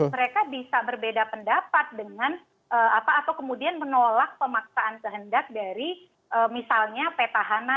mereka bisa berbeda pendapat dengan atau kemudian menolak pemaksaan kehendak dari misalnya petahana